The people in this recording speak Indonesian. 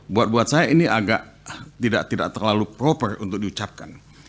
buat buat saya ini agak tidak terlalu proper untuk diucapkan